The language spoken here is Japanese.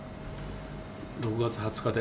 ６月２０日で。